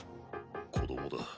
子どもだ。